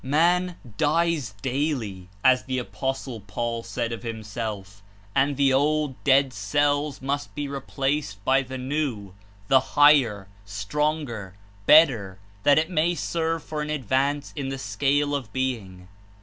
Man "dies daily," as the Apostle Paul said of himself, and the old, dead cells must be replaced by the new, the higher, stronger, better, that it may serve for an advance in the scale of being.